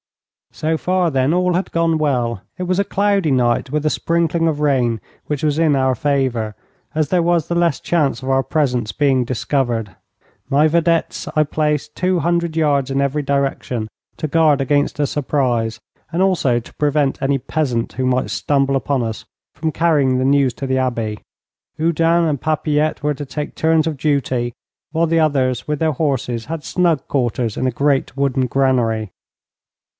So far, then, all had gone well. It was a cloudy night with a sprinkling of rain, which was in our favour, as there was the less chance of our presence being discovered. My vedettes I placed two hundred yards in every direction, to guard against a surprise, and also to prevent any peasant who might stumble upon us from carrying the news to the Abbey. Oudin and Papilette were to take turns of duty, while the others with their horses had snug quarters in a great wooden granary.